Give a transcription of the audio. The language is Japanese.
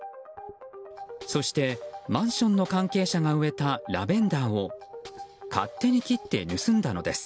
そして、マンションの関係者が植えたラベンダーを勝手に切って盗んだのです。